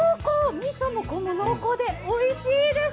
みそも濃厚でおいしいです。